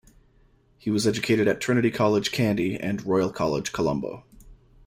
He was educated at Trinity College, Kandy, and Royal College, Colombo.